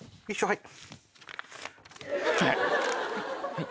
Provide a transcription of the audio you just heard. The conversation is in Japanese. はい。